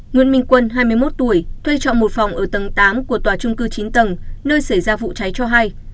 nguyễn minh quân hai mươi một tuổi thuê trọ một phòng ở tầng tám của tòa trung cư chín tầng nơi xảy ra vụ cháy cho hay